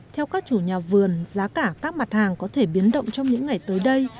theo các chủ nhà vườn giá cả các mặt hàng có thể biến động trong những ngày tới đây